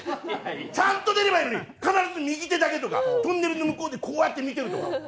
ちゃんと出ればいいのに必ず右手だけとかトンネルの向こうでこうやって見てるとか。